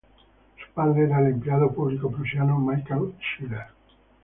Su padre era el empleado público prusiano Michael Schiller.